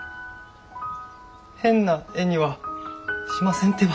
変な絵にはしませんってば。